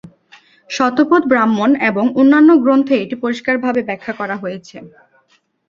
শতপথ ব্রাহ্মণ এবং অন্যান্য গ্রন্থে এটি পরিষ্কার ভাবে ব্যখ্যা করা হয়েছে।